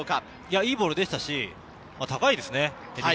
いいボールでしたし、高いですね。